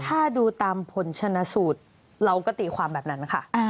ถ้าดูตามผลชนะสูตรเราก็ตีความแบบนั้นค่ะ